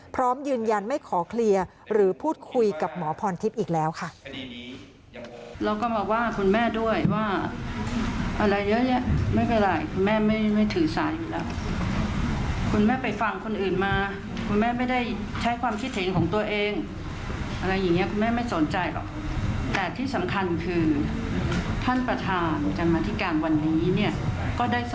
พร้อมยืนยันไม่ขอเคลียร์หรือพูดคุยกับหมอพรทิพย์อีกแล้วค่ะ